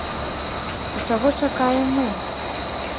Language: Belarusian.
А чаго чакаем мы?